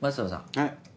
はい。